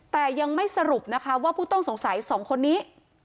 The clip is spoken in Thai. แต่ยังไม่สรุปนะคะว่าผู้ต้องสงสัย๒คนนี้